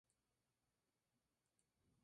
Hay alojamientos turísticos.